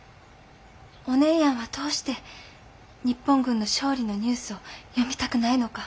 お姉やんはどうして日本軍の勝利のニュースを読みたくないのか。